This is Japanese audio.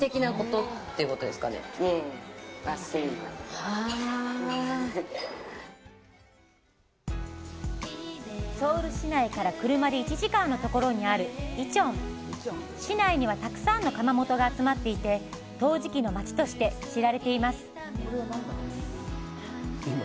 はぁソウル市内から車で１時間の所にある利川市内にはたくさんの窯元が集まっていて陶磁器の街として知られています